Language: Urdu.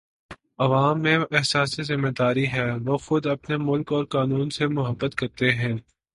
عوام میں احساس ذمہ داری ہے وہ خود اپنے ملک اور قانون سے محبت کرتے ہیں